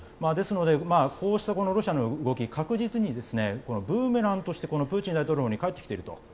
ですのでこうしたロシアの動き確実にブーメランとしてプーチン大統領に返ってきていると。